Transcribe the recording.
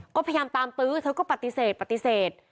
ก็พยายามตามตื้อเธอก็ปฏิเสธ